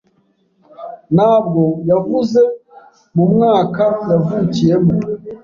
Ntabwo yavuze mu mwaka yavukiyemo.